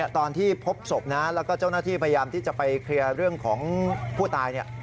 ตอนที่พบศพนะแล้วก็เจ้าหน้าที่พยายามที่จะไปเคลียร์เรื่องของผู้ตาย